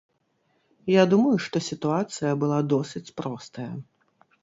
Я думаю, што сітуацыя была досыць простая.